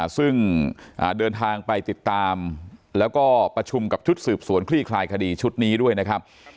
ซึ่งเดินทางไปติดตามแล้วก็ประชุมกับชุดสืบสวนคลี่คลายคดีชุดนี้ด้วยนะครับ